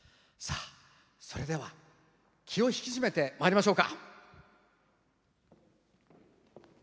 では気を引き締めてまいりましょう。